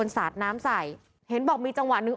สาดน้ำใส่เห็นบอกมีจังหวะหนึ่ง